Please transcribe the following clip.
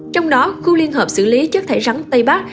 trong đó khu liên hợp xử lý chất thải rắn tây bắc